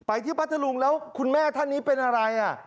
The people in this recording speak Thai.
ที่พัทธรุงแล้วคุณแม่ท่านนี้เป็นอะไร